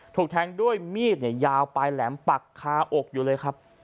ถูกแทงด้วยมีดยาวปลายแหลมปักคาอกอยู่เลยครับ